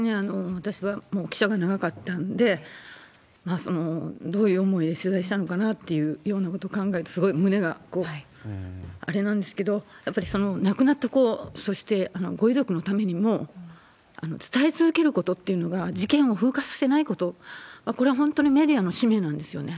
私は記者が長かったんで、どういう思いで取材したのかなというようなことを考えると、すごい胸があれなんですけど、やっぱり亡くなった子、そしてご遺族のためにも、伝え続けることっていうのが、事件を風化させないこと、これは本当にメディアの使命なんですよね。